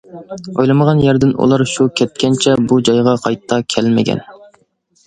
ئويلىمىغان يەردىن، ئۇلار شۇ كەتكەنچە بۇ جايغا قايتا كېلەلمىگەن.